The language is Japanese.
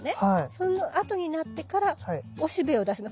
そのあとになってからおしべを出すの。